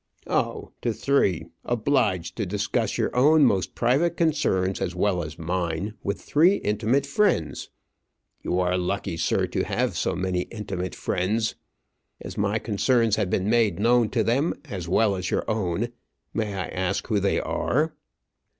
"Oh! to three! obliged to discuss your own most private concerns as well as mine with three intimate friends! You are lucky, sir, to have so many intimate friends. As my concerns have been made known to them as well as your own, may I ask who they are?"